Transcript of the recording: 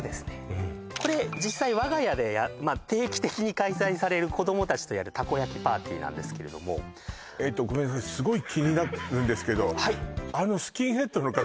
うんこれ実際我が家で定期的に開催される子供達とやるたこ焼きパーティーなんですけれどもえっとごめんなさい